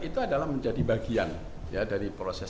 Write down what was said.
itu adalah menjadi bagian dari proses